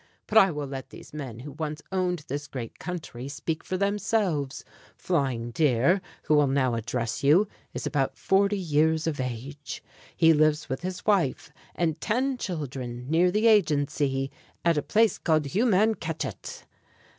"But I will let these men who once owned this great country speak for themselves. Flying Deer, who will now address you, is about forty years of age. He lives with his wife and ten children near the agency, at a place called Humanketchet."